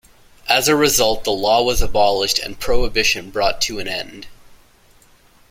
As a result, the law was abolished and prohibition brought to an end.